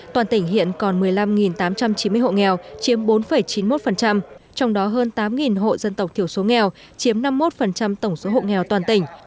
toàn tỉnh hiện còn một mươi năm tám trăm chín mươi hộ nghèo chiếm bốn chín mươi một trong đó hơn tám hộ dân tộc thiểu số nghèo chiếm năm mươi một tổng số hộ nghèo toàn tỉnh